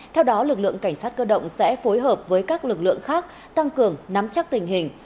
theo đó lực lượng cảnh sát cơ động sẽ phối hợp với các lực lượng khác tăng cường nắm chắc tình hình